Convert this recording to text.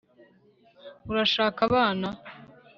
urashaka abana